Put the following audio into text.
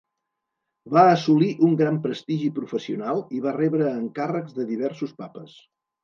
Va assolir un gran prestigi professional i va rebre encàrrecs de diversos papes.